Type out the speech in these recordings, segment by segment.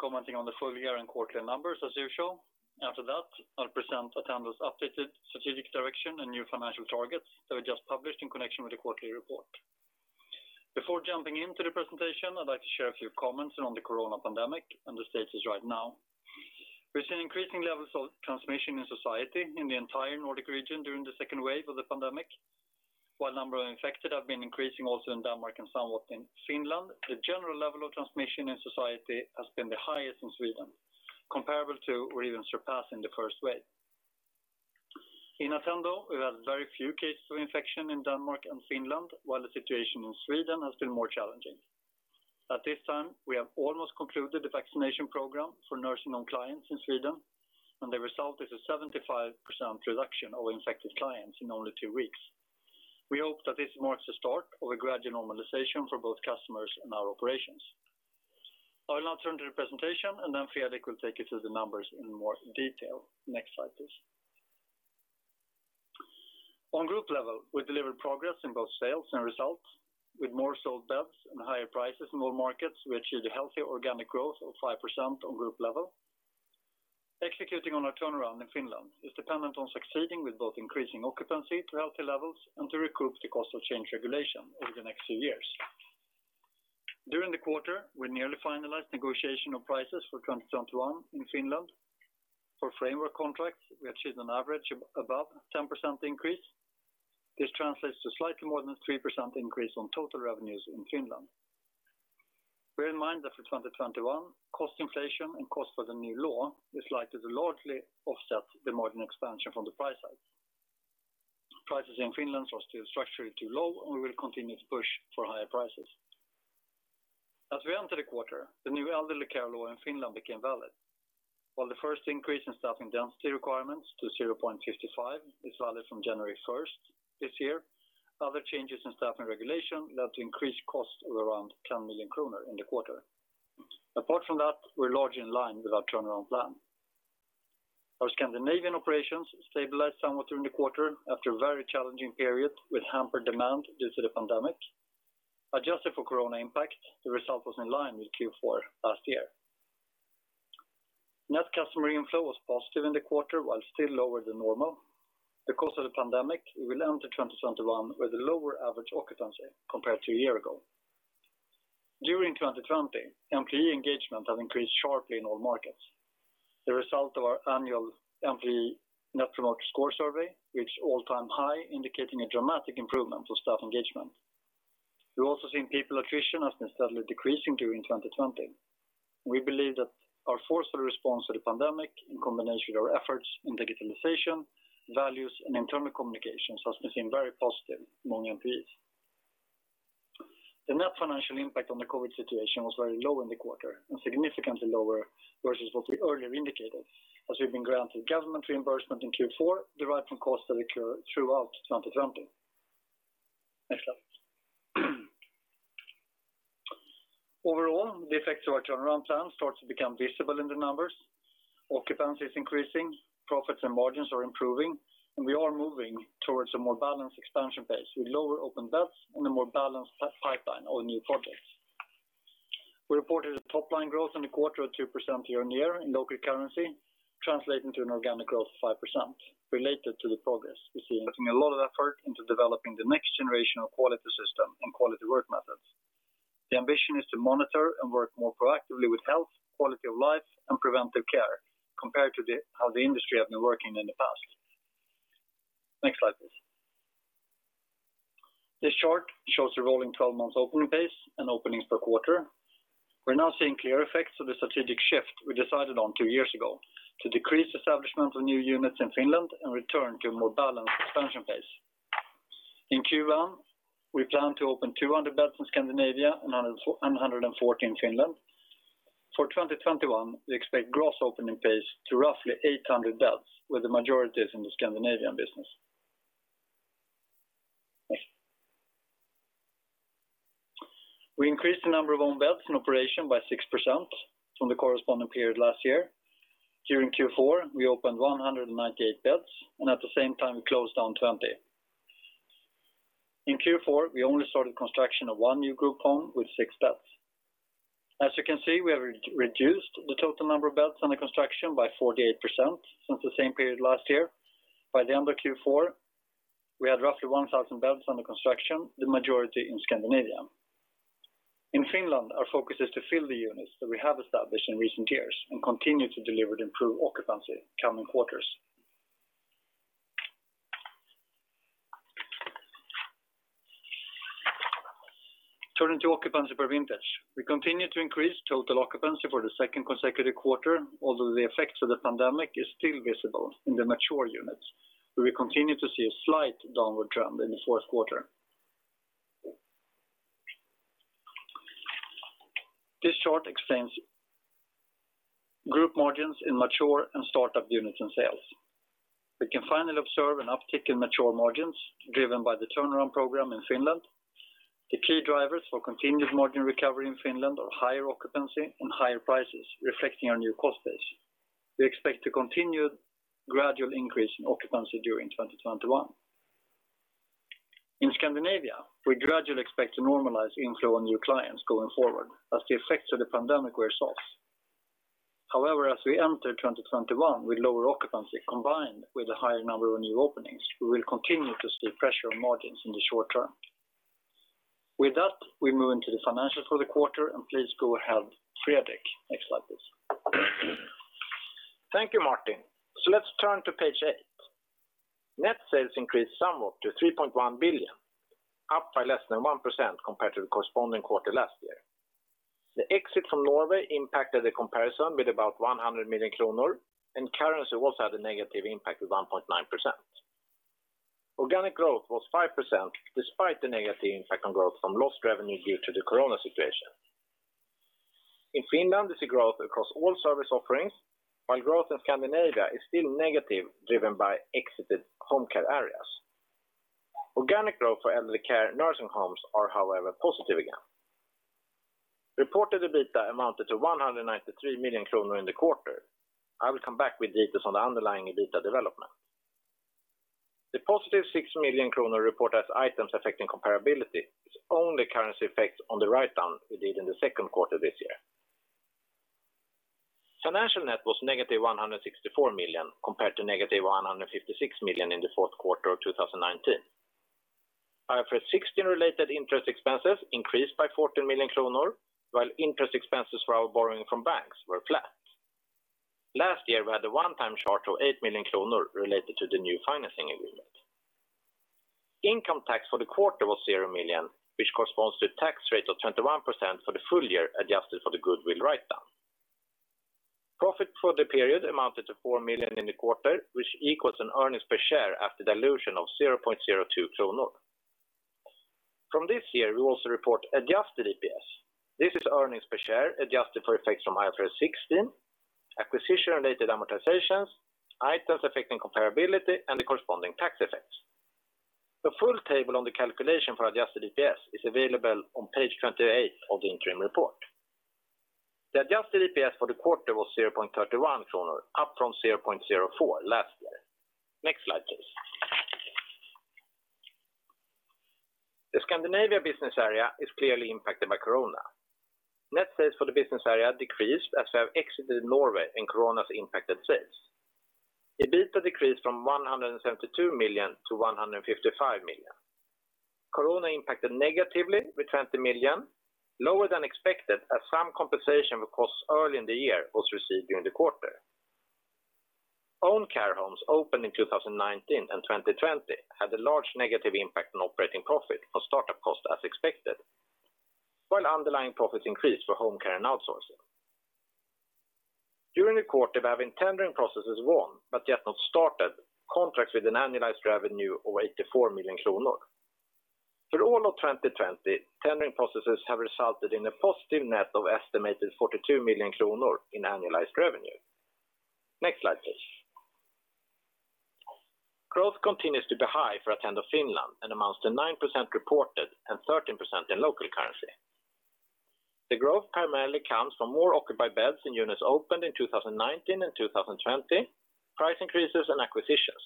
Commenting on the full year and quarterly numbers as usual. After that, I'll present Attendo's updated strategic direction and new financial targets that we just published in connection with the quarterly report. Before jumping into the presentation, I'd like to share a few comments on the coronavirus pandemic and the status right now. We've seen increasing levels of transmission in society in the entire Nordic region during the second wave of the pandemic. While number of infected have been increasing also in Denmark and somewhat in Finland, the general level of transmission in society has been the highest in Sweden, comparable to or even surpassing the first wave. In Attendo, we've had very few cases of infection in Denmark and Finland, while the situation in Sweden has been more challenging. At this time, we have almost concluded the vaccination program for nursing home clients in Sweden, and the result is a 75% reduction of infected clients in only two weeks. We hope that this marks the start of a gradual normalization for both customers and our operations. I will now turn to the presentation, and then Fredrik will take you through the numbers in more detail. Next slide, please. On group level, we delivered progress in both sales and results. With more sold beds and higher prices in all markets, we achieved a healthy organic growth of 5% on group level. Executing on our turnaround in Finland is dependent on succeeding with both increasing occupancy to healthy levels and to recoup the cost of change regulation over the next few years. During the quarter, we nearly finalized negotiation of prices for 2021 in Finland. For framework contracts, we achieved an average of above 10% increase. This translates to slightly more than 3% increase on total revenues in Finland. Bear in mind that for 2021, cost inflation and cost for the new law is likely to largely offset the margin expansion from the price hike. Prices in Finland are still structurally too low, and we will continue to push for higher prices. As we enter the quarter, the new elderly care law in Finland became valid. While the first increase in staffing density requirements to 0.55 is valid from January 1st this year, other changes in staffing regulation led to increased cost of around 10 million kronor in the quarter. Apart from that, we're largely in line with our turnaround plan. Our Scandinavian operations stabilized somewhat during the quarter after a very challenging period with hampered demand due to the pandemic. Adjusted for corona impact, the result was in line with Q4 last year. Net customer inflow was positive in the quarter, while still lower than normal. Because of the pandemic, we will enter 2021 with a lower average occupancy compared to a year ago. During 2020, employee engagement has increased sharply in all markets. The result of our annual employee net promoter score survey reached all-time high, indicating a dramatic improvement of staff engagement. We've also seen people attrition has been steadily decreasing during 2020. We believe that our forceful response to the pandemic, in combination with our efforts in digitalization, values, and internal communications, has been seen very positive among employees. The net financial impact on the COVID situation was very low in the quarter and significantly lower versus what we earlier indicated, as we've been granted government reimbursement in Q4 derived from costs that occurred throughout 2020. Next slide. Overall, the effects of our turnaround plan starts to become visible in the numbers. Occupancy is increasing, profits and margins are improving, and we are moving towards a more balanced expansion phase with lower open beds and a more balanced pipeline of new projects. We reported a top-line growth in the quarter of 2% year-on-year in local currency, translating to an organic growth of 5%, related to the progress we're seeing. Putting a lot of effort into developing the next generation of quality system and quality work methods. The ambition is to monitor and work more proactively with health, quality of life, and preventive care compared to how the industry have been working in the past. Next slide, please. This chart shows the rolling 12 months opening pace and openings per quarter. We're now seeing clear effects of the strategic shift we decided on two years ago to decrease establishment of new units in Finland and return to a more balanced expansion pace. In Q1, we plan to open 200 beds in Scandinavia and 140 in Finland. For 2021, we expect gross opening pace to roughly 800 beds, with the majority is in the Scandinavian business. Next. We increased the number of own beds in operation by 6% from the corresponding period last year. During Q4, we opened 198 beds, and at the same time, we closed down 20. In Q4, we only started construction of one new group home with six beds. As you can see, we have reduced the total number of beds under construction by 48% since the same period last year. By the end of Q4, we had roughly 1,000 beds under construction, the majority in Scandinavia. In Finland, our focus is to fill the units that we have established in recent years and continue to deliver the improved occupancy coming quarters. Turning to occupancy by vintage. We continue to increase total occupancy for the second consecutive quarter, although the effects of the pandemic is still visible in the mature units. We continue to see a slight downward trend in the fourth quarter. This chart explains group margins in mature and startup units and sales. We can finally observe an uptick in mature margins driven by the turnaround program in Finland. The key drivers for continued margin recovery in Finland are higher occupancy and higher prices reflecting our new cost base. We expect to continue gradual increase in occupancy during 2021. In Scandinavia, we gradually expect to normalize inflow on new clients going forward as the effects of the pandemic wear off. As we enter 2021 with lower occupancy, combined with a higher number of new openings, we will continue to see pressure on margins in the short-term. With that, we move into the financials for the quarter, and please go ahead, Fredrik. Next slide, please. Thank you, Martin. Let's turn to page eight. Net sales increased somewhat to 3.1 billion, up by less than 1% compared to the corresponding quarter last year. The exit from Norway impacted the comparison with about 100 million kronor, and currency also had a negative impact of 1.9%. Organic growth was 5%, despite the negative impact on growth from lost revenue due to the corona situation. In Finland, there's a growth across all service offerings, while growth in Scandinavia is still negative, driven by exited home care areas. Organic growth for elderly care nursing homes are, however, positive again. Reported EBITDA amounted to 193 million kronor in the quarter. I will come back with details on the underlying EBITDA development. The positive 6 million kronor report as items affecting comparability is only currency effects on the write-down we did in the second quarter of this year. Financial net was negative 164 million, compared to negative 156 million in the fourth quarter of 2019. IFRS 16-related interest expenses increased by 14 million kronor, while interest expenses for our borrowing from banks were flat. Last year, we had a one-time charge of 8 million kronor related to the new financing agreement. Income tax for the quarter was 0 million, which corresponds to a tax rate of 31% for the full year, adjusted for the goodwill write-down. Profit for the period amounted to 4 million in the quarter, which equals an earnings per share after dilution of 0.02 kronor. From this year, we will also report adjusted EPS. This is earnings per share adjusted for effects from IFRS 16, acquisition-related amortizations, items affecting comparability, and the corresponding tax effects. The full table on the calculation for adjusted EPS is available on page 28 of the interim report. The adjusted EPS for the quarter was 0.31 kronor, up from 0.04 last year. Next slide, please. The Scandinavia business area is clearly impacted by corona. Net sales for the business area decreased as we have exited Norway and corona has impacted sales. EBITDA decreased from 172 million-155 million. Corona impacted negatively with 20 million, lower than expected as some compensation for costs early in the year was received during the quarter. Own care homes opened in 2019 and 2020 had a large negative impact on operating profit for start-up costs, as expected, while underlying profits increased for home care and outsourcing. During the quarter, we have in tendering processes won, but yet not started, contracts with an annualized revenue of 84 million kronor. For all of 2020, tendering processes have resulted in a positive net of estimated 42 million kronor in annualized revenue. Next slide, please. Growth continues to be high for Attendo Finland and amounts to 9% reported and 13% in local currency. The growth primarily comes from more occupied beds in units opened in 2019 and 2020, price increases, and acquisitions.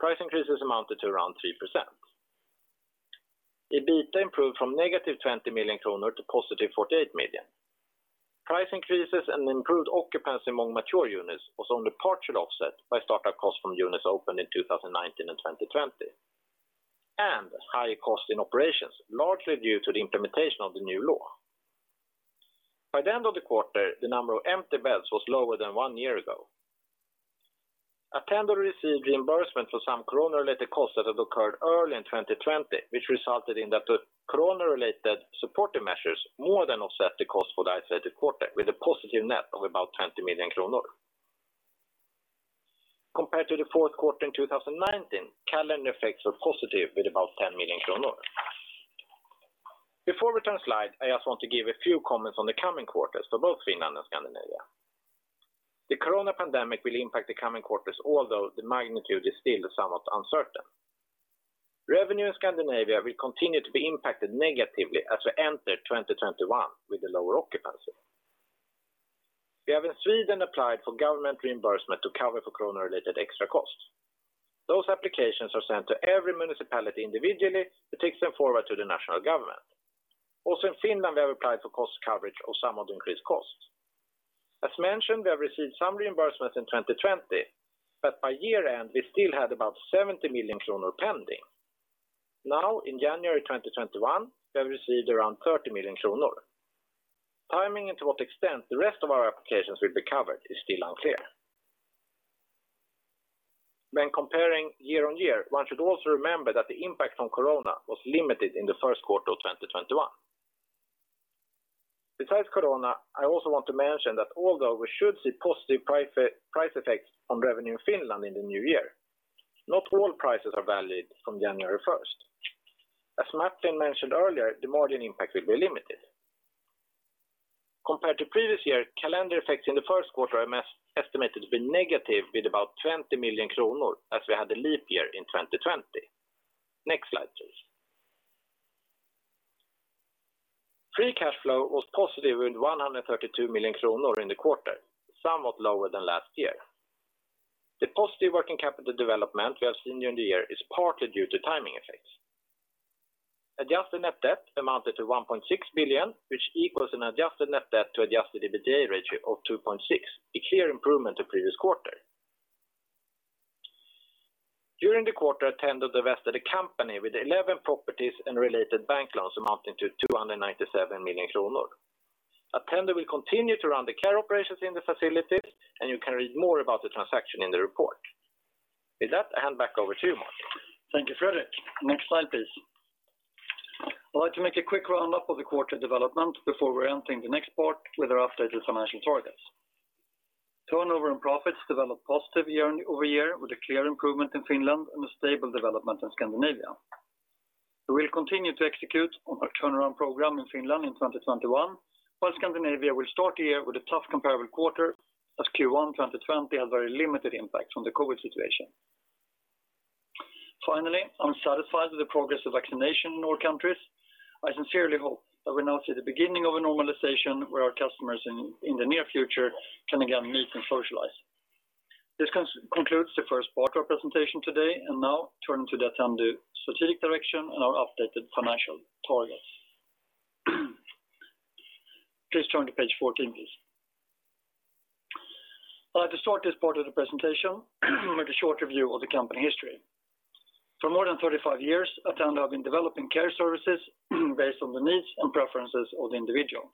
Price increases amounted to around 3%. EBITDA improved from negative 20 million kronor to positive 48 million. Price increases and improved occupancy among mature units was only partially offset by start-up costs from units opened in 2019 and 2020 and higher costs in operations, largely due to the implementation of the new law. By the end of the quarter, the number of empty beds was lower than one year ago. Attendo received reimbursement for some corona-related costs that had occurred early in 2020, which resulted in the corona-related supportive measures more than offset the cost for the isolated quarter, with a positive net of about 20 million kronor. Compared to the fourth quarter in 2019, calendar effects were positive with about 10 million kronor. Before we turn slide, I just want to give a few comments on the coming quarters for both Finland and Scandinavia. The corona pandemic will impact the coming quarters, although the magnitude is still somewhat uncertain. Revenue in Scandinavia will continue to be impacted negatively as we enter 2021 with a lower occupancy. We have in Sweden applied for government reimbursement to cover for corona-related extra costs. Those applications are sent to every municipality individually, who takes them forward to the national government. In Finland, we have applied for cost coverage of somewhat increased costs. As mentioned, we have received some reimbursements in 2020. By year-end, we still had about 70 million kronor pending. In January 2021, we have received around 30 million kronor. Timing and to what extent the rest of our applications will be covered is still unclear. When comparing year-on-year, one should also remember that the impact from corona was limited in the first quarter of 2021. Besides corona, I also want to mention that although we should see positive price effects on revenue in Finland in the new year, not all prices are valid from January 1st. As Martin mentioned earlier, the margin impact will be limited. Compared to previous year, calendar effects in the first quarter are estimated to be negative with about 20 million kronor, as we had a leap year in 2020. Next slide, please. Free cash flow was positive with 132 million kronor in the quarter, somewhat lower than last year. The positive working capital development we have seen during the year is partly due to timing effects. Adjusted net debt amounted to 1.6 billion, which equals an adjusted net debt to adjusted EBITDA ratio of 2.6, a clear improvement to previous quarter. During the quarter, Attendo divested a company with 11 properties and related bank loans amounting to 297 million kronor. Attendo will continue to run the care operations in the facilities. You can read more about the transaction in the report. With that, I hand back over to you, Martin. Thank you, Fredrik. Next slide, please. I'd like to make a quick roundup of the quarter development before we enter the next part with our updated financial targets. Turnover and profits developed positive year-over-year with a clear improvement in Finland and a stable development in Scandinavia. We will continue to execute on our turnaround program in Finland in 2021, while Scandinavia will start the year with a tough comparable quarter as Q1 2020 had very limited impact from the COVID situation. Finally, I'm satisfied with the progress of vaccination in all countries. I sincerely hope that we're now see the beginning of a normalization where our customers in the near future can again meet and socialize. This concludes the first part of our presentation today and now turn to the Attendo strategic direction and our updated financial targets. Please turn to page 14, please. I'd like to start this part of the presentation with a short review of the company history. For more than 35 years, Attendo have been developing care services based on the needs and preferences of the individual.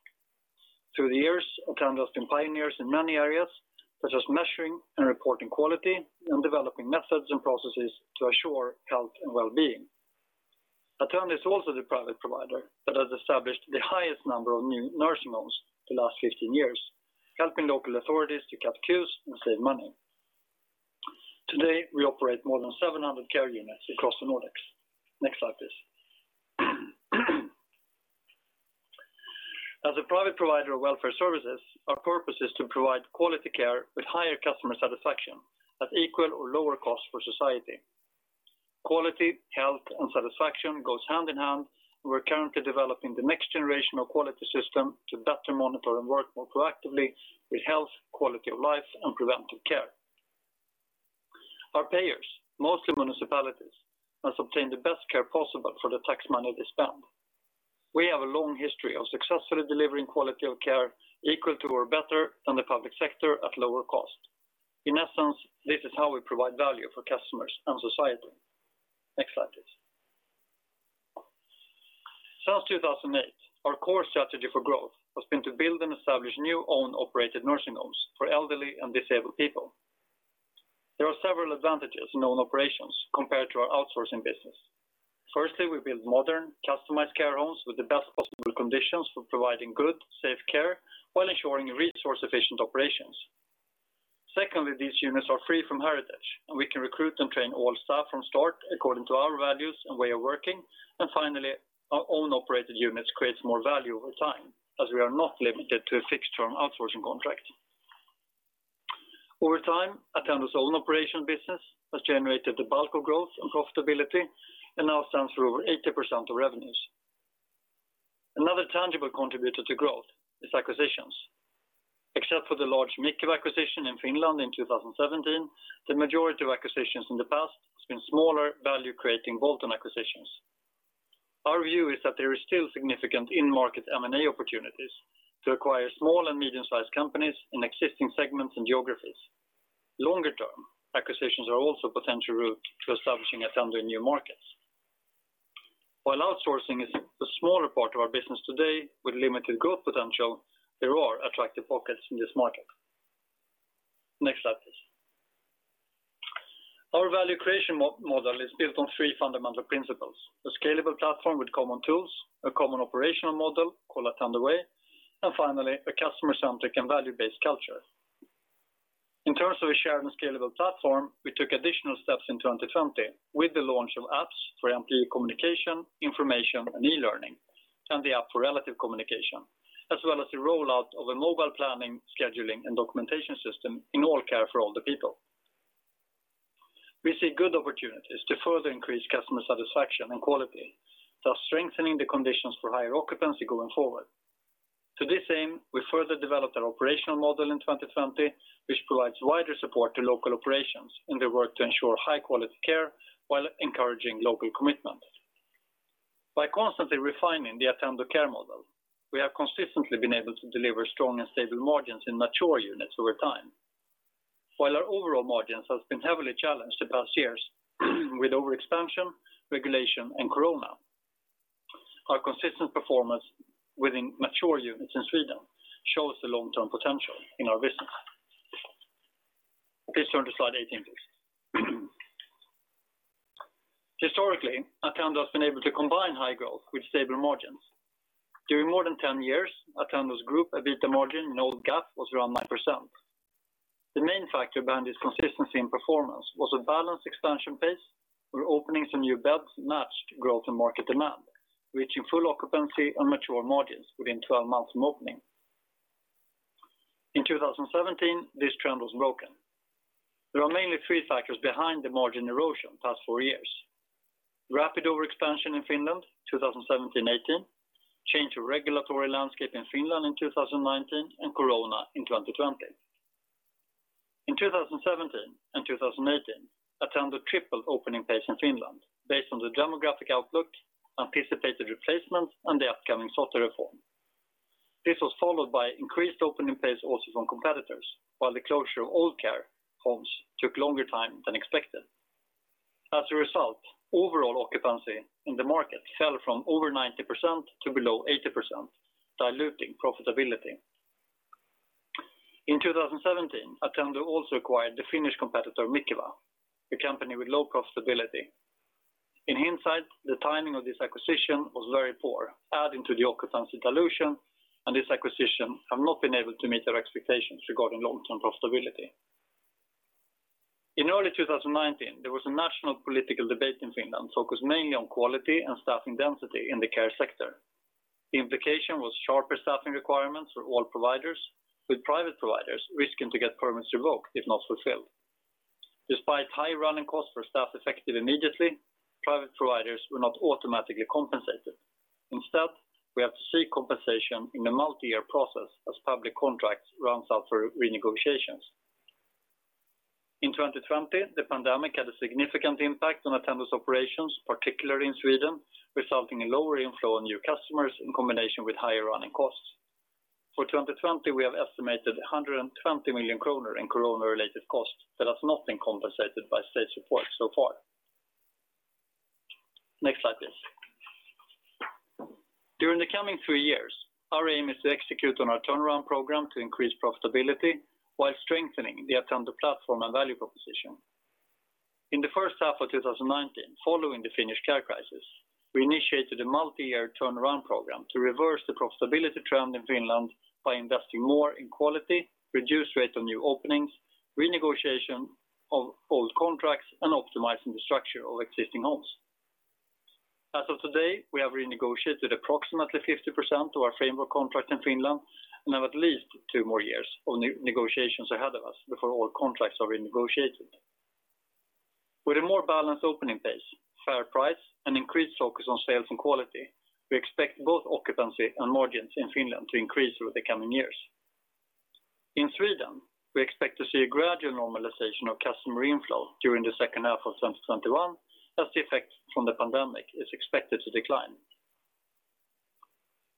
Through the years, Attendo has been pioneers in many areas such as measuring and reporting quality and developing methods and processes to assure health and wellbeing. Attendo is also the private provider that has established the highest number of new nursing homes the last 15 years, helping local authorities to cut queues and save money. Today, we operate more than 700 care units across the Nordics. Next slide, please. As a private provider of welfare services, our purpose is to provide quality care with higher customer satisfaction at equal or lower cost for society. Quality, health, and satisfaction goes hand in hand, and we're currently developing the next generation of quality system to better monitor and work more proactively with health, quality of life, and preventive care. Our payers, mostly municipalities, must obtain the best care possible for the tax money they spend. We have a long history of successfully delivering quality of care equal to or better than the public sector at lower cost. In essence, this is how we provide value for customers and society. Next slide, please. Since 2008, our core strategy for growth has been to build and establish new own-operated nursing homes for elderly and disabled people. There are several advantages in own operations compared to our outsourcing business. Firstly, we build modern, customized care homes with the best possible conditions for providing good, safe care while ensuring resource-efficient operations. Secondly, these units are free from heritage, and we can recruit and train all staff from start according to our values and way of working. Finally, our own operated units creates more value over time as we are not limited to a fixed-term outsourcing contract. Over time, Attendo's own operation business has generated the bulk of growth and profitability and now stands for over 80% of revenues. Another tangible contributor to growth is acquisitions. Except for the large Mikeva acquisition in Finland in 2017, the majority of acquisitions in the past has been smaller value-creating bolt-on acquisitions. Our view is that there is still significant in-market M&A opportunities to acquire small and medium-sized companies in existing segments and geographies. Longer term, acquisitions are also potential route to establishing Attendo in new markets. While outsourcing is the smaller part of our business today with limited growth potential, there are attractive pockets in this market. Next slide, please. Our value creation model is built on three fundamental principles: a scalable platform with common tools, a common operational model called Attendo Way, and finally, a customer-centric and value-based culture. In terms of a shared and scalable platform, we took additional steps in 2020 with the launch of apps for employee communication, information, and e-learning, and the app for relative communication, as well as the rollout of a mobile planning, scheduling, and documentation system in all care for all the people. We see good opportunities to further increase customer satisfaction and quality, thus strengthening the conditions for higher occupancy going forward. To this aim, we further developed our operational model in 2020, which provides wider support to local operations in the work to ensure high-quality care while encouraging local commitment. By constantly refining the Attendo Care Model, we have consistently been able to deliver strong and stable margins in mature units over time. While our overall margins has been heavily challenged the past years with overexpansion, regulation, and corona, our consistent performance within mature units in Sweden shows the long-term potential in our business. Please turn to slide 18, please. Historically, Attendo has been able to combine high growth with stable margins. During more than 10 years, Attendo's group EBITDA margin in old GAAP was around 9%. The main factor behind this consistency in performance was a balanced expansion pace where openings and new beds matched growth and market demand, reaching full occupancy and mature margins within 12 months from opening. In 2017, this trend was broken. There are mainly three factors behind the margin erosion past four years. Rapid overexpansion in Finland, 2017-2018, change to regulatory landscape in Finland in 2019, and COVID in 2020. In 2017 and 2018, Attendo tripled opening pace in Finland based on the demographic outlook, anticipated replacements, and the upcoming SOTE reform. This was followed by increased opening pace also from competitors, while the closure of old care homes took longer time than expected. As a result, overall occupancy in the market fell from over 90% to below 80%, diluting profitability. In 2017, Attendo also acquired the Finnish competitor Mikeva, a company with low profitability. In hindsight, the timing of this acquisition was very poor, adding to the occupancy dilution, and this acquisition have not been able to meet their expectations regarding long-term profitability. In early 2019, there was a national political debate in Finland focused mainly on quality and staffing density in the care sector. The implication was sharper staffing requirements for all providers, with private providers risking to get permits revoked if not fulfilled. Despite high running costs for staff effective immediately, private providers were not automatically compensated. Instead, we have to seek compensation in a multi-year process as public contracts runs out for renegotiations. In 2020, the pandemic had a significant impact on Attendo's operations, particularly in Sweden, resulting in lower inflow of new customers in combination with higher running costs. For 2020, we have estimated 120 million kronor in COVID-related costs that has not been compensated by state support so far. Next slide, please. During the coming three years, our aim is to execute on our turnaround program to increase profitability while strengthening the Attendo platform and value proposition. In the first half of 2019, following the Finnish care crisis, we initiated a multi-year turnaround program to reverse the profitability trend in Finland by investing more in quality, reduced rate of new openings, renegotiation of old contracts, and optimizing the structure of existing homes. As of today, we have renegotiated approximately 50% of our framework contracts in Finland and have at least two more years of negotiations ahead of us before all contracts are renegotiated. With a more balanced opening pace, fair price, and increased focus on sales and quality, we expect both occupancy and margins in Finland to increase over the coming years. In Sweden, we expect to see a gradual normalization of customer inflow during the second half of 2021, as the effect from the pandemic is expected to decline.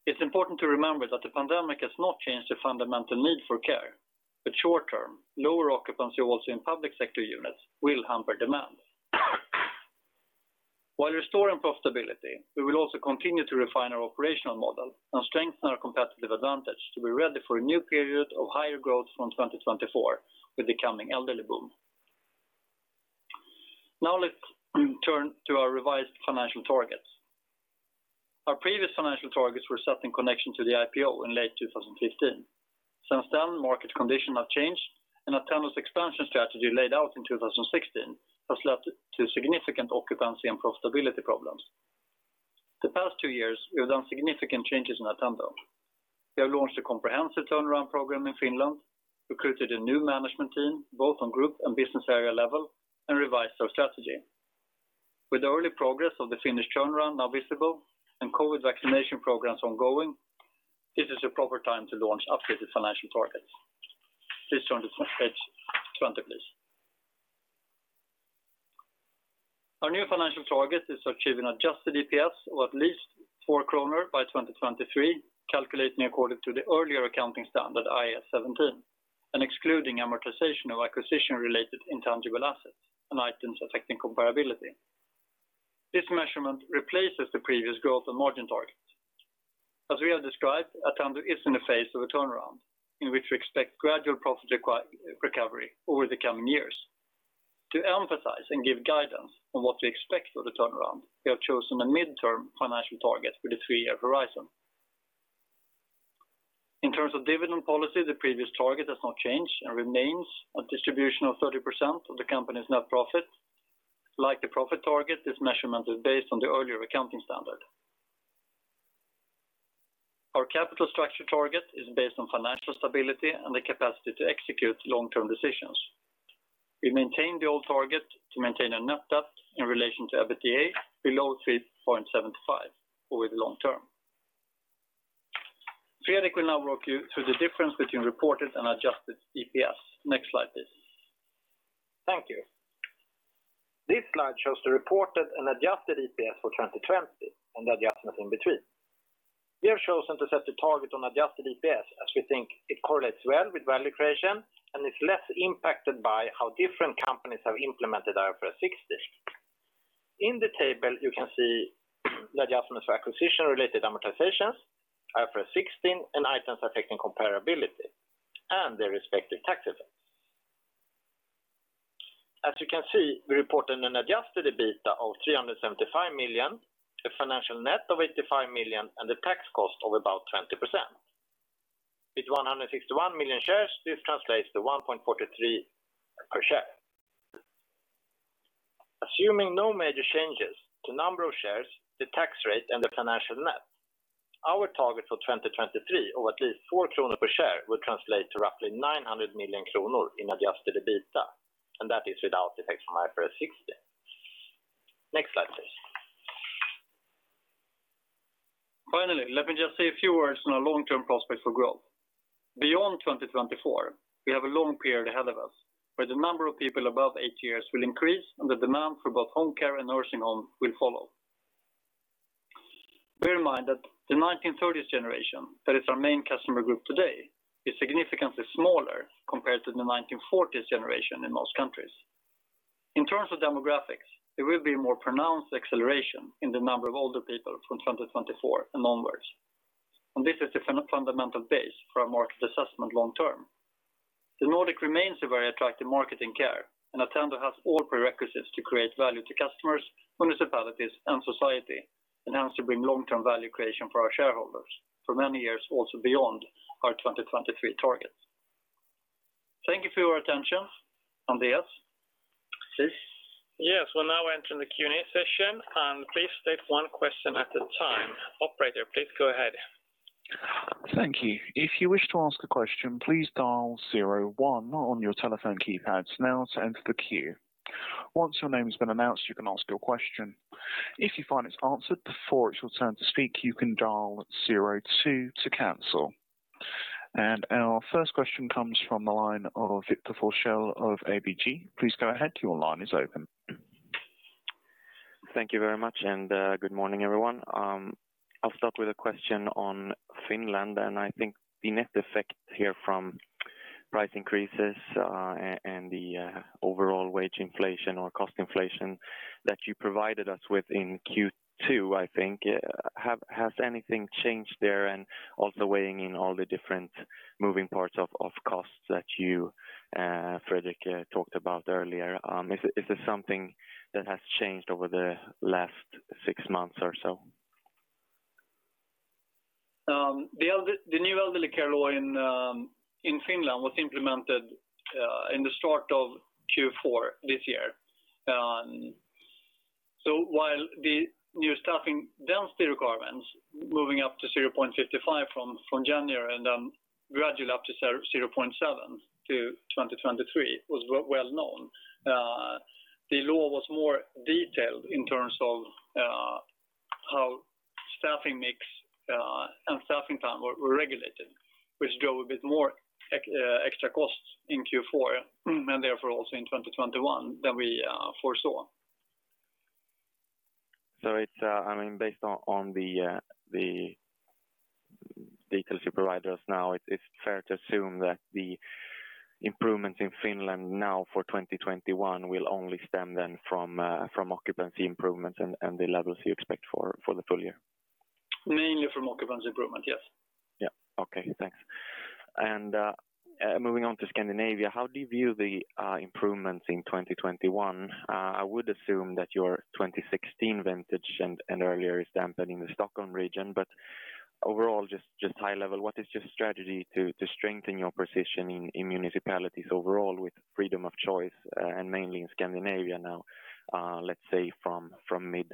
It's important to remember that the pandemic has not changed the fundamental need for care, but short-term, lower occupancy also in public sector units will hamper demand. While restoring profitability, we will also continue to refine our operational model and strengthen our competitive advantage to be ready for a new period of higher growth from 2024 with the coming elderly boom. Let's turn to our revised financial targets. Our previous financial targets were set in connection to the IPO in late 2015. Since then, market conditions have changed, Attendo's expansion strategy laid out in 2016 has led to significant occupancy and profitability problems. The past two years, we have done significant changes in Attendo. We have launched a comprehensive turnaround program in Finland, recruited a new management team, both on group and business area level, and revised our strategy. With early progress of the Finnish turnaround now visible and COVID vaccination programs ongoing, this is a proper time to launch updated financial targets. Please turn to page 20, please. Our new financial target is achieving adjusted EPS of at least 4 kronor by 2023, calculating according to the earlier accounting standard IAS 17 and excluding amortization of acquisition-related intangible assets and items affecting comparability. This measurement replaces the previous growth and margin targets. As we have described, Attendo is in a phase of a turnaround in which we expect gradual profit recovery over the coming years. To emphasize and give guidance on what we expect for the turnaround, we have chosen a midterm financial target with a three-year horizon. In terms of dividend policy, the previous target has not changed and remains a distribution of 30% of the company's net profit. Like the profit target, this measurement is based on the earlier accounting standard. Our capital structure target is based on financial stability and the capacity to execute long-term decisions. We maintain the old target to maintain a net debt in relation to EBITDA below 3.75 over the long term. Fredrik will now walk you through the difference between reported and adjusted EPS. Next slide, please. Thank you. This slide shows the reported and adjusted EPS for 2020 and the adjustments in between. We have chosen to set the target on adjusted EPS as we think it correlates well with value creation and is less impacted by how different companies have implemented IFRS 16. In the table, you can see the adjustments for acquisition-related amortizations, IFRS 16, and items affecting comparability and their respective tax effects. As you can see, we reported an adjusted EBITDA of 375 million, a financial net of 85 million, and a tax cost of about 20%. With 161 million shares, this translates to 1.43 per share. Assuming no major changes to number of shares, the tax rate, and the financial net. Our target for 2023 of at least 4 kronor per share would translate to roughly 900 million kronor in adjusted EBITDA, that is without effect from IFRS 16. Next slide, please. Finally, let me just say a few words on our long-term prospects for growth. Beyond 2024, we have a long period ahead of us, where the number of people above eight years will increase and the demand for both home care and nursing home will follow. Bear in mind that the 1930s generation, that is our main customer group today, is significantly smaller compared to the 1940s generation in most countries. In terms of demographics, there will be a more pronounced acceleration in the number of older people from 2024 onwards. This is the fundamental base for our market assessment long term. The Nordic remains a very attractive market in care, and Attendo has all prerequisites to create value to customers, municipalities, and society, and hence to bring long-term value creation for our shareholders for many years also beyond our 2023 targets. Thank you for your attention. Andreas. Yes. We're now entering the Q&A session. Please state one question at a time. Operator, please go ahead. Thank you. If you wish to ask a question, please dial zero one on your telephone keypad. Once your name has been announced, you can ask your question. If you find it's answered before your it's time to speak you can dial zero two to cancel. Our first question comes from the line of Victor Forssell of ABG. Please go ahead, your line is open. Thank you very much, and good morning, everyone. I'll start with a question on Finland, and I think the net effect here from price increases and the overall wage inflation or cost inflation that you provided us with in Q2, I think. Has anything changed there? Also weighing in all the different moving parts of costs that you, Fredrik, talked about earlier, is this something that has changed over the last six months or so? The new elderly care law in Finland was implemented in the start of Q4 this year. While the new staffing density requirements moving up to 0.55 from January and then gradually up to 0.7 to 2023 was well known, the law was more detailed in terms of how staffing mix and staffing time were regulated, which drove a bit more extra costs in Q4 and therefore also in 2021 than we foresaw. Based on the details you provide us now, it's fair to assume that the improvements in Finland now for 2021 will only stem then from occupancy improvements and the levels you expect for the full year? Mainly from occupancy improvement, yes. Yeah. Okay, thanks. Moving on to Scandinavia, how do you view the improvements in 2021? I would assume that your 2016 vintage and earlier is dampened in the Stockholm region. But overall, just high level, what is your strategy to strengthen your position in municipalities overall with freedom of choice and mainly in Scandinavia now, let's say from mid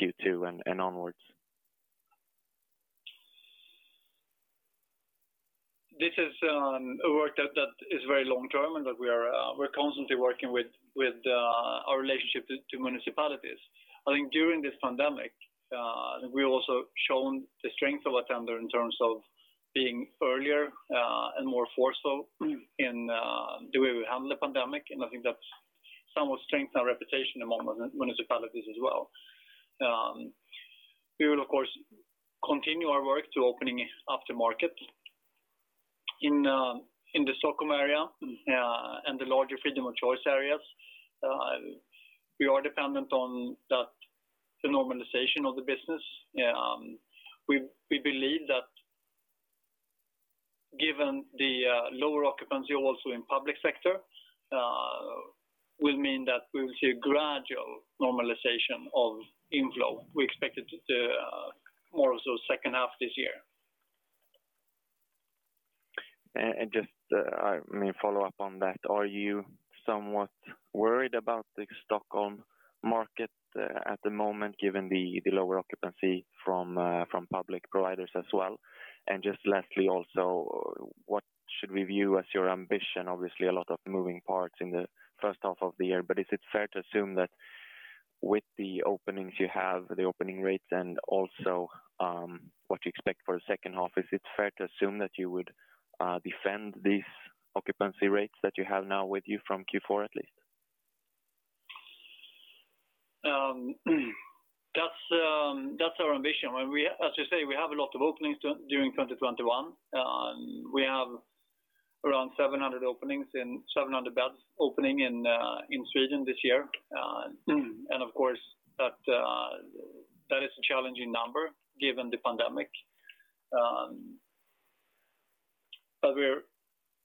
Q2 and onwards? This is a work that is very long-term, and that we're constantly working with our relationship to municipalities. I think during this pandemic, we've also shown the strength of Attendo in terms of being earlier and more forceful in the way we handle the pandemic. I think that's somewhat strengthened our reputation among municipalities as well. We will of course, continue our work to opening up the market in the Stockholm area and the larger freedom of choice areas. We are dependent on the normalization of the business. We believe that given the lower occupancy also in public sector will mean that we will see a gradual normalization of inflow. We expect it more so second half this year. Just I may follow up on that. Are you somewhat worried about the Stockholm market at the moment given the lower occupancy from public providers as well? Just lastly also, what should we view as your ambition? Obviously a lot of moving parts in the first half of the year. Is it fair to assume that with the openings you have, the opening rates and also what you expect for the second half, is it fair to assume that you would defend these occupancy rates that you have now with you from Q4 at least? That's our ambition. As you say, we have a lot of openings during 2021. We have around 700 beds opening in Sweden this year. Of course that is a challenging number given the pandemic. We're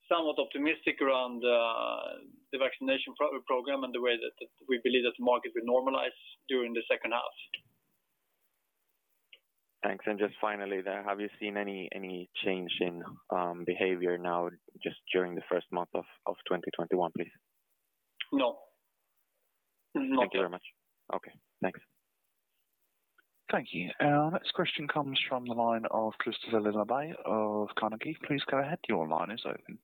somewhat optimistic around the vaccination program and the way that we believe that the market will normalize during the second half. Thanks. Just finally there, have you seen any change in behavior now just during the first month of 2021, please? No. Thank you very much. Okay, thanks. Thank you. Our next question comes from the line of Kristofer Liljeberg of Carnegie. Please go ahead. Your line is open.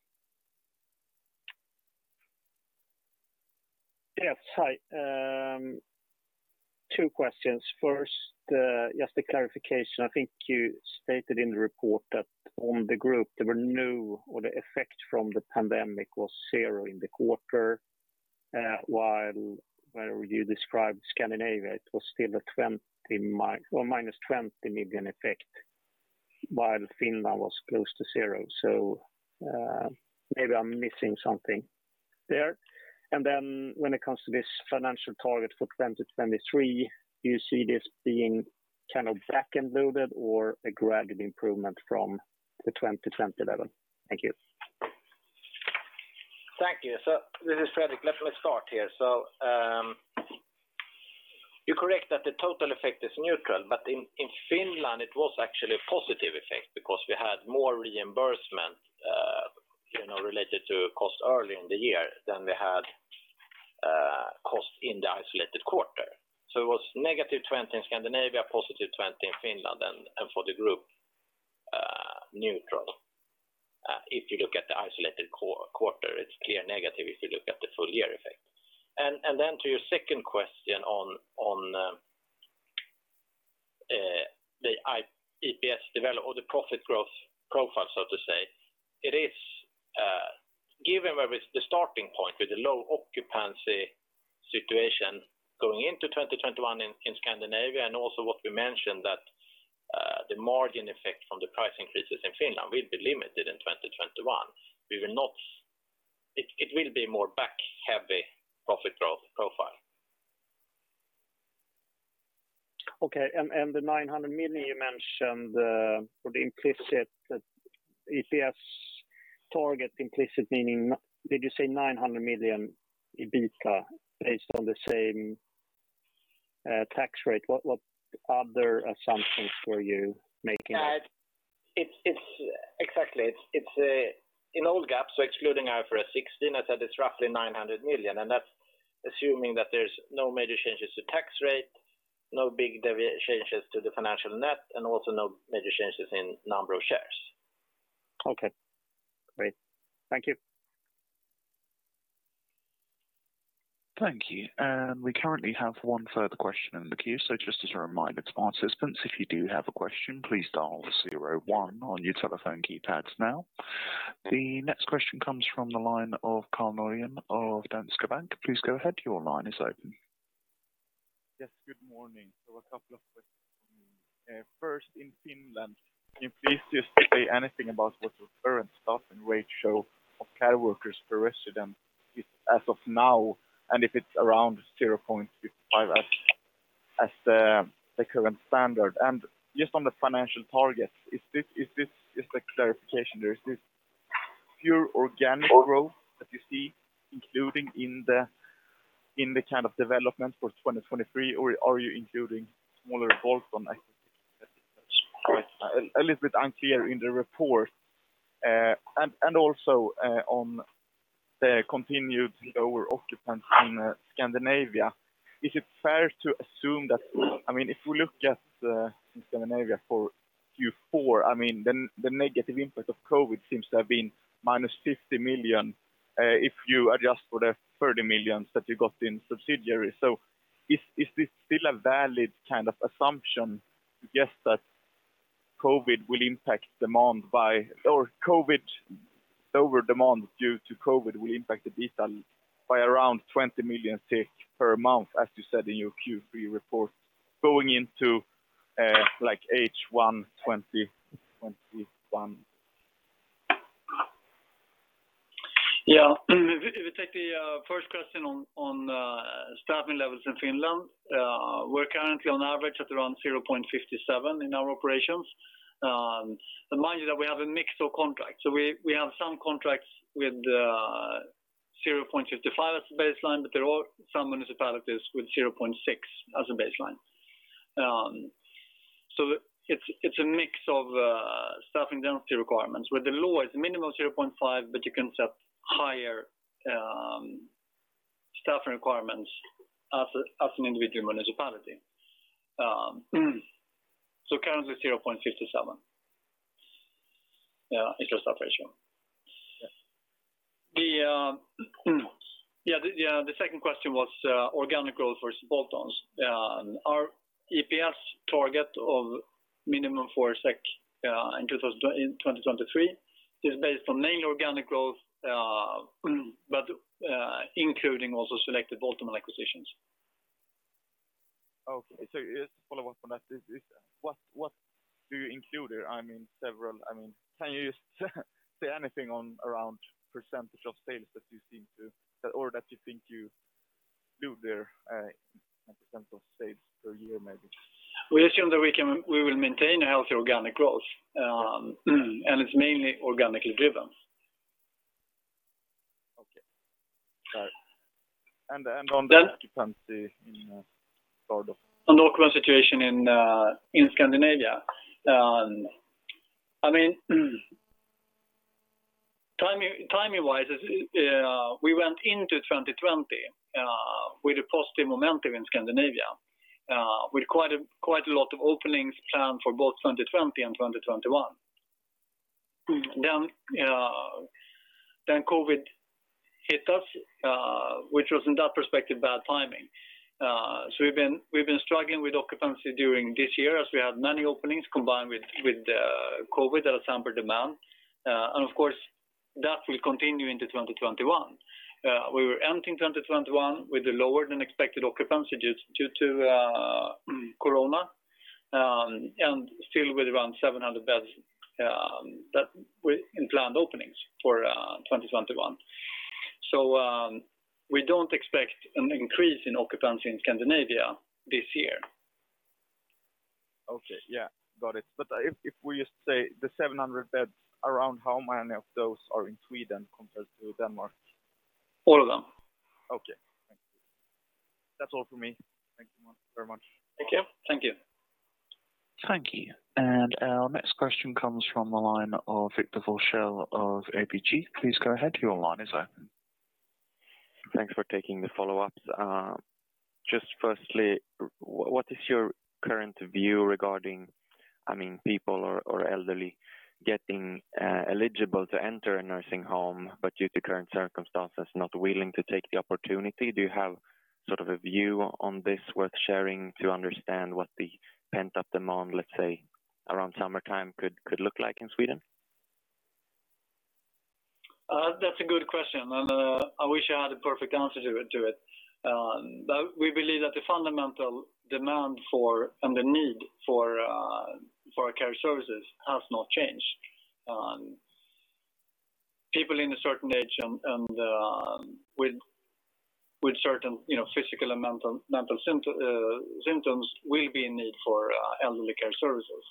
Yes. Hi. Two questions. First, just a clarification. I think you stated in the report that on the group there were no, or the effect from the pandemic was zero in the quarter, while you described Scandinavia, it was still a -20 million effect, while Finland was close to zero. Maybe I'm missing something there. When it comes to this financial target for 2023, do you see this being backend loaded or a gradual improvement from the 2020 level? Thank you. Thank you. This is Fredrik. Let me start here. You're correct that the total effect is neutral, but in Finland it was actually a positive effect because we had more reimbursement related to cost early in the year than we had cost in the isolated quarter. It was -20 SEK in Scandinavia, +20 SEK in Finland, and for the group, neutral. If you look at the isolated quarter, it's clear negative if you look at the full year effect. Then to your second question on the profit growth profile, so to say. Given where the starting point with the low occupancy situation going into 2021 in Scandinavia, and also what we mentioned that, the margin effect from the price increases in Finland will be limited in 2021. It will be more back heavy profit growth profile. Okay. The 900 million you mentioned, for the implicit EPS target, implicit meaning, did you say 900 million EBITDA based on the same tax rate? What other assumptions were you making? Exactly. It's in old GAAP, so excluding IFRS 16, I said it's roughly 900 million, and that's assuming that there's no major changes to tax rate, no big changes to the financial net, and also no major changes in number of shares. Okay, great. Thank you. Thank you. We currently have one further question in the queue. Just as a reminder to participants, if you do have a question, please dial zero one on your telephone keypads now. The next question comes from the line of Karl Norén of Danske Bank. Please go ahead. Your line is open. Yes, good morning. A couple of questions for me. First, in Finland, can you please just say anything about what your current staffing rate show of care workers per resident is as of now, and if it's around 0.55 as the current standard? Just on the financial targets, just a clarification there. Is this pure organic growth that you see including in the kind of development for 2023, or are you including smaller bolts on acquisitions? That is a little bit unclear in the report. Also, on the continued lower occupancy in Scandinavia, is it fair to assume that if we look at, in Scandinavia for Q4, the negative impact of COVID seems to have been -50 million, if you adjust for the 30 million that you got in subsidiaries? Is this still a valid kind of assumption to guess that overdemand due to COVID will impact the EBITDA by around 20 million per month, as you said in your Q3 report, going into H1 2021? Yeah. If we take the first question on staffing levels in Finland, we're currently on average at around 0.57 in our operations. Mind you that we have a mix of contracts. We have some contracts with 0.55 as a baseline, but there are some municipalities with 0.6 as a baseline. It's a mix of staffing density requirements, where the law is a minimum of 0.5, but you can set higher staffing requirements as an individual municipality. Currently 0.57 in our operations. Yeah. The second question was organic growth versus bolt-ons. Our EPS target of minimum 4 SEK in 2023 is based on mainly organic growth, but including also selected bolt-on acquisitions. Okay. Just to follow up on that, what do you include there? Can you just say anything on around percentage of sales that you think you do there, like percent of sales per year maybe? We assume that we will maintain a healthy organic growth, and it's mainly organically driven. On the occupancy in Nordics. On the occupancy situation in Scandinavia. Timing-wise, we went into 2020 with a positive momentum in Scandinavia, with quite a lot of openings planned for both 2020 and 2021. COVID hit us, which was in that perspective, bad timing. We've been struggling with occupancy during this year as we had many openings combined with COVID at a stifled demand. Of course, that will continue into 2021. We were ending 2021 with a lower than expected occupancy due to COVID, and still with around 700 beds in planned openings for 2021. We don't expect an increase in occupancy in Scandinavia this year. Okay. Yeah. Got it. If we just say the 700 beds, around how many of those are in Sweden compared to Denmark? All of them. Okay. Thank you. That is all for me. Thank you very much. Thank you. Thank you. Our next question comes from the line of Victor Forssell of ABG Sundal Collier. Please go ahead. Your line is open. Thanks for taking the follow-ups. Just firstly, what is your current view regarding people or elderly getting eligible to enter a nursing home, but due to current circumstances, not willing to take the opportunity? Do you have a view on this worth sharing to understand what the pent-up demand, let's say, around summertime could look like in Sweden? That's a good question. I wish I had a perfect answer to it. We believe that the fundamental demand and the need for care services has not changed. People in a certain age and with certain physical and mental symptoms will be in need for elderly care services.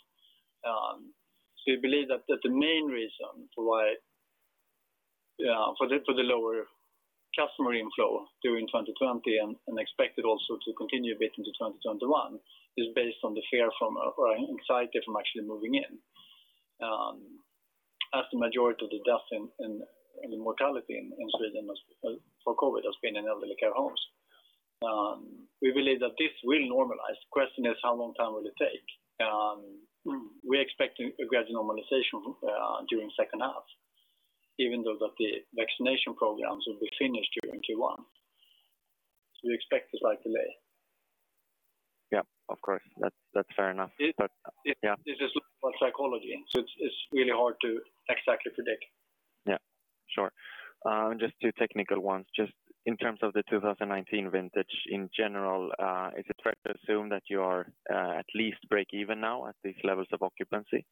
We believe that the main reason for the lower customer inflow during 2020, and expected also to continue a bit into 2021, is based on the fear from or anxiety from actually moving in. As the majority of the deaths and the mortality in Sweden for COVID has been in elderly care homes. We believe that this will normalize. Question is, how long time will it take? We're expecting a gradual normalization during second half, even though that the vaccination programs will be finished during Q1. We expect a slight delay. Yeah, of course. That's fair enough. This is local psychology, so it's really hard to exactly predict. Yeah, sure. Just two technical ones. Just in terms of the 2019 vintage in general, is it fair to assume that you are at least break-even now at these levels of occupancy?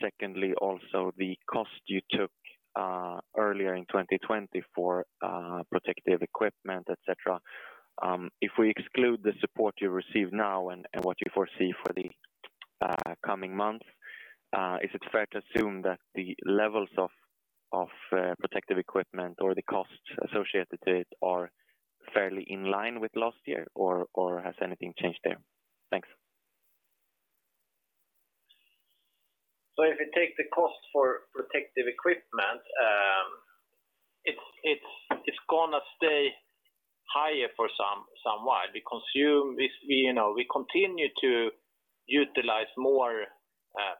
Secondly, also the cost you took earlier in 2020 for protective equipment, et cetera. If we exclude the support you receive now and what you foresee for the coming months, is it fair to assume that the levels of protective equipment or the costs associated to it are fairly in line with last year or has anything changed there? Thanks. If you take the cost for protective equipment, it's going to stay higher for some while. We continue to utilize more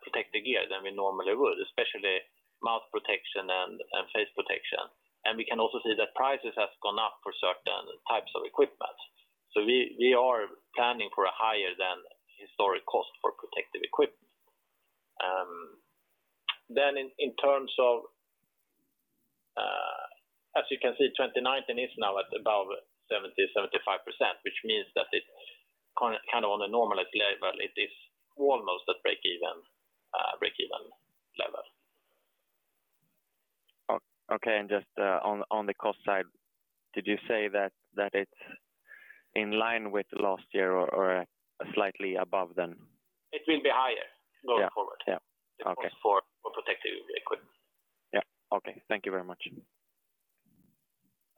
protective gear than we normally would, especially mouth protection and face protection. We can also see that prices have gone up for certain types of equipment. We are planning for a higher than historic cost for protective equipment. As you can see, 2019 is now at above 70%, 75%, which means that it's on a normalized level. It is almost at break even level. Okay. Just on the cost side, did you say that it's in line with last year or slightly above then? It will be higher going forward. Yeah. Okay. The cost for protective equipment. Yeah. Okay. Thank you very much.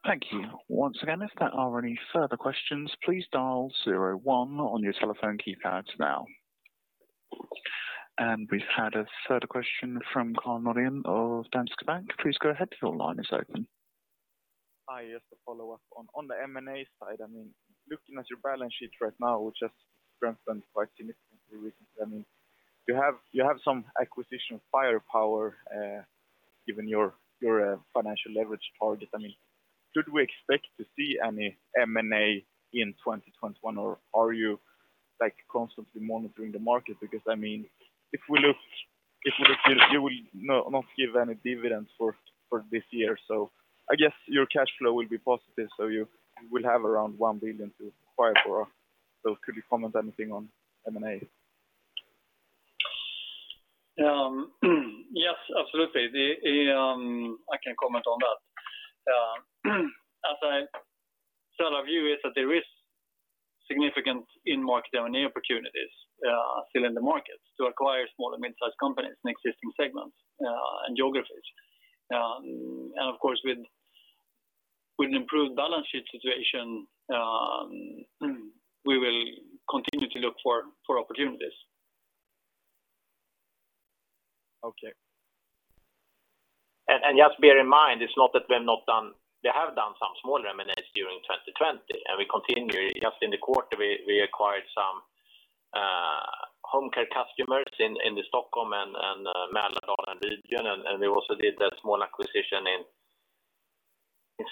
Thank you. Once again, if there are any further questions please dial zero one on your cellphone keypad. We've had a third question from Karl Norén of Danske Bank. Please go ahead. Your line is open. Hi. Just a follow-up on the M&A side. Looking at your balance sheet right now, which has strengthened quite significantly recently. You have some acquisition firepower given your financial leverage target. Should we expect to see any M&A in 2021, or are you constantly monitoring the market? If you will not give any dividends for this year, I guess your cash flow will be positive, so you will have around 1 billion to acquire for. Could you comment anything on M&A? Yes, absolutely. I can comment on that. As I said, our view is that there is Significant in market and opportunities are still in the market to acquire small and midsize companies in existing segments and geographies. Of course, with an improved balance sheet situation, we will continue to look for opportunities. Okay. Just bear in mind, it's not that we have not done. We have done some small M&As during 2020, and we continue. Just in the quarter, we acquired some home care customers in the Stockholm and Mälardalen region, and we also did that small acquisition in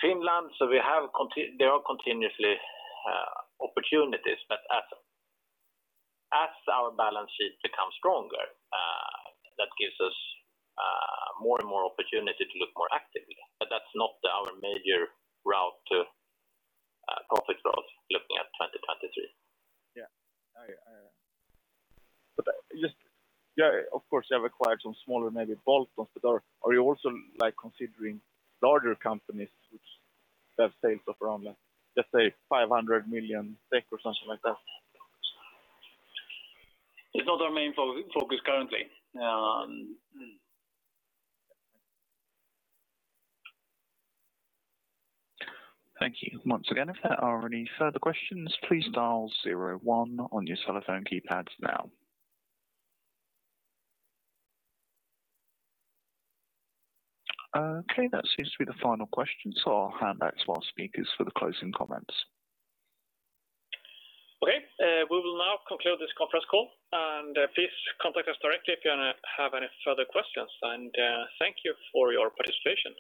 Finland. There are continuously opportunities, but as our balance sheet becomes stronger, that gives us more and more opportunity to look more actively. That's not our major route to profit growth looking at 2023. Yeah. Just, of course, you have acquired some smaller, maybe bolt-ons, but are you also considering larger companies which have sales of around, let's say, 500 million or something like that? It's not our main focus currently. Thank you. Once again, if there are any further questions, please dial zero one on your cellphone keypads now. Okay, that seems to be the final question. I'll hand back to our speakers for the closing comments. Okay, we will now conclude this conference call, and please contact us directly if you have any further questions. Thank you for your participation.